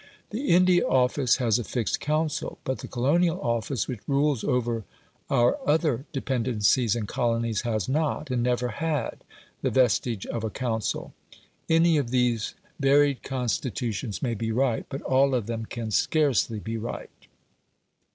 The India Office has a fixed "Council"; but the Colonial Office which rules over our other dependencies and colonies, has not, and never had, the vestige of a council. Any of these varied Constitutions may be right, but all of them can scarcely be right.